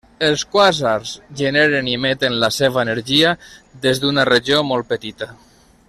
Els quàsars generen i emeten la seva energia des d'una regió molt petita.